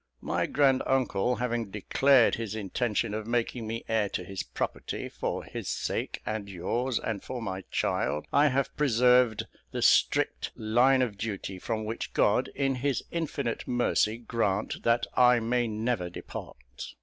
My grand uncle having declared his intention of making me heir to his property, for his sake, and yours, and for my child, I have preserved the strict line of duty, from which God, in his infinite mercy, grant that I may never depart.